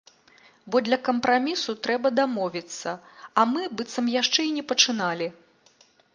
Бо для кампрамісу трэба дамовіцца, а мы быццам яшчэ і не пачыналі.